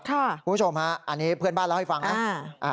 คุณผู้ชมฮะอันนี้เพื่อนบ้านเล่าให้ฟังนะ